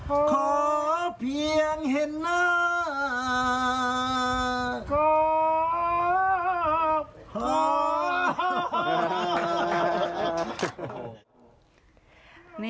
ขอเพียงเห็นหน้า